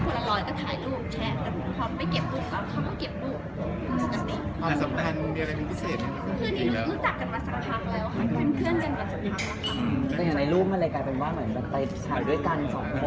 ไม่ก็คือเป็นงามมันเกิดหลายคน